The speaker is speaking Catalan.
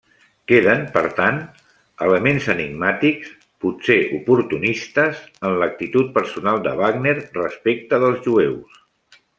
Queden, per tant, elements enigmàtics, potser oportunistes, en l'actitud personal de Wagner respecte dels jueus.